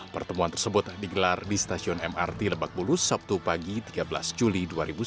pertemuan tersebut digelar di stasiun mrt lebak bulus sabtu pagi tiga belas juli dua ribu sembilan belas